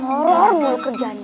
horor mul kerjanya